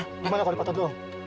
gimana kalau dipotong dulu om